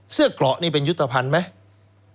เสื้อกล่อนี่เป็นยุตภัณฑ์ไหม